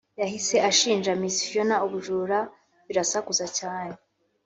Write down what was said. yahise ashinja Miss Phiona ubujura birasakuza cyane